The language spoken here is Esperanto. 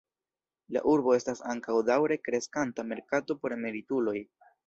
La urbo estas ankaŭ daŭre kreskanta merkato por emerituloj.